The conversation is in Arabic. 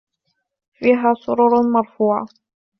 فِيهَا سُرُرٌ مَرْفُوعَةٌ